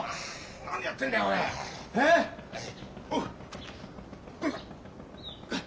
何やってんだよおいえ！？おうっ。